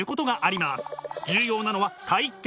重要なのは体験。